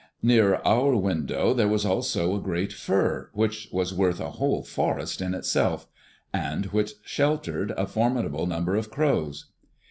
Near our window there was also a great fir, which was worth a whole forest in itself, and which sheltered a formidable number of crows.